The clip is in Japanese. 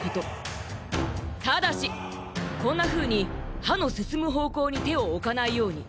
ただしこんなふうにはのすすむほうこうにてをおかないように。